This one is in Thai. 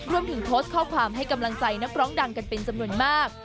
รวมถึงโพสต์ข้อความให้กำลังใจนักร้องดังกันเป็นจำนวนมาก